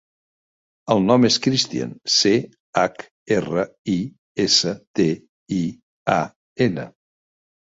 El nom és Christian: ce, hac, erra, i, essa, te, i, a, ena.